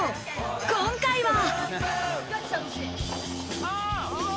今回は。